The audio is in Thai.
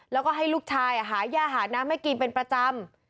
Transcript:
แล้วก็ให้ลูกชายหาย่าหาน้ำให้กินเป็นประจำ